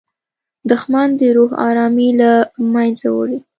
دښمن د روح ارامي له منځه وړي